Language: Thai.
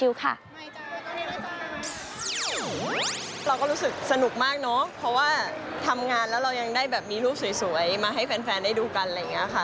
เราก็รู้สึกสนุกมากเนอะเพราะว่าทำงานแล้วเรายังได้แบบมีรูปสวยมาให้แฟนได้ดูกันอะไรอย่างนี้ค่ะ